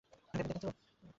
ভেবে দেখো তো?